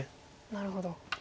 なるほど。